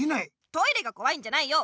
トイレがこわいんじゃないよ。